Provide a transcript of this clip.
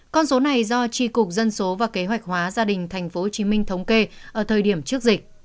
con số này do tri cục dân số và kế hoạch hóa gia đình tp hcm thống kê ở thời điểm trước dịch